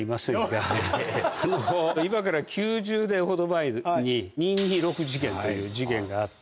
今から９０年ほど前に二・二六事件という事件があって。